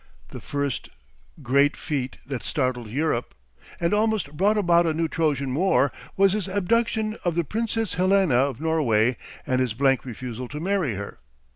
The first great feat that startled Europe, and almost brought about a new Trojan war, was his abduction of the Princess Helena of Norway and his blank refusal to marry her.